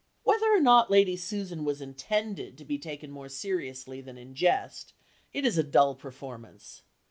Whether or not Lady Susan was intended to be taken more seriously than in jest, it is a dull performance.